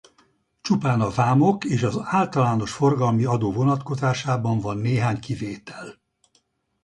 Csupán a vámok és az általános forgalmi adó vonatkozásában van néhány kivétel.